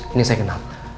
ini saya kenal